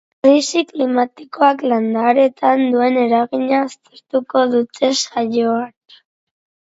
Krisi klimatikoak landareetan duen eragina aztertuko dute saioan.